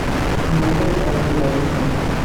Maɣef ay yebɣa ad iẓer Yidir?